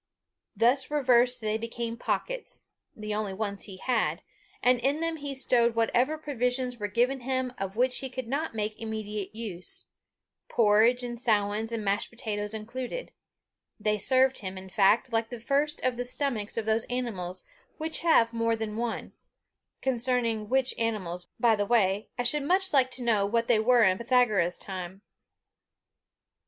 Thus reversed they became pockets, the only ones he had, and in them he stowed whatever provisions were given him of which he could not make immediate use porridge and sowens and mashed potatoes included: they served him, in fact, like the first of the stomachs of those animals which have more than one concerning which animals, by the way, I should much like to know what they were in "Pythagoras' time."